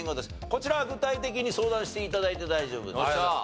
こちらは具体的に相談して頂いて大丈夫です。